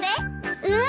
うん。